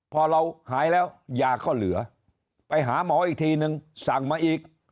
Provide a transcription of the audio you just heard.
พอเราหายแล้วยาก็เหลือไปหาหมออีกทีนึงสั่งมาอีก